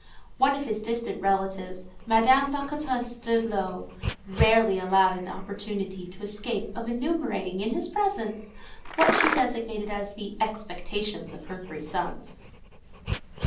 One of his distant relatives, Madame la Comtesse de Lô, rarely allowed an opportunity to escape of enumerating, in his presence, what she designated as "the expectations" of her three sons.